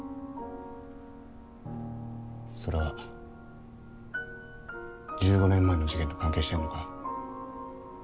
それは１５年前の事件と関係してんのか？